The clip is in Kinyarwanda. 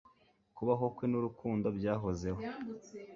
Kubaho kwe nurukundo byahozeho